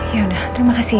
yaudah terima kasih ya